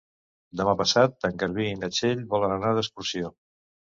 Demà passat en Garbí i na Txell volen anar d'excursió.